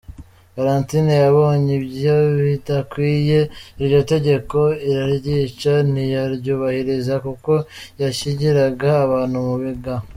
Valentine yabonye ibyobidakwiye iryo tegeko araryica ntiyaryubahiriza kuko yashyingiraga abantu mu ibanga .